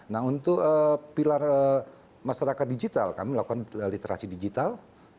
nah untuk pilar masyarakat digital kami melakukan literasi digital